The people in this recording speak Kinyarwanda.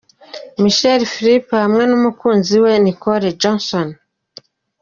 Michael Phelps hamwe n'umukunzi we Nicole Johnson.